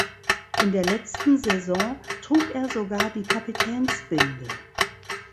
In der letzten Saison trug er sogar die Kapitänsbinde.